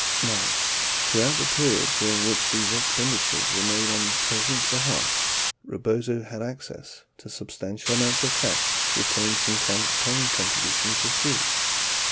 9. Throughout the period during which these expenditures were made on the President's behalf, Rebozo had access to sub stantial amounts of cash retained from campaign contributions received.